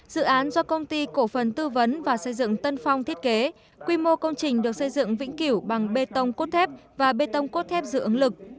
dự án do công ty cổ phần tư vấn và xây dựng tân phong thiết kế quy mô công trình được xây dựng vĩnh kiểu bằng bê tông cốt thép và bê tông cốt thép dự ứng lực